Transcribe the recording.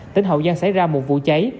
tỉnh hậu giang xảy ra một vụ cháy